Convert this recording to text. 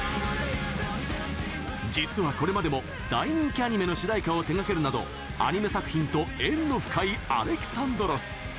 実はこれまでも大人気アニメの主題歌を手がけるなどアニメ作品と縁の深い［Ａｌｅｘａｎｄｒｏｓ］。